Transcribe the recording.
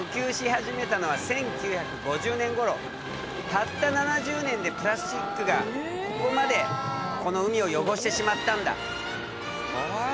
たった７０年でプラスチックがここまでこの海を汚してしまったんだ。